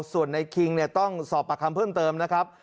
ส่วนในคิงเนี่ยต้องสอบปากคำเพิ่มเติมนะครับ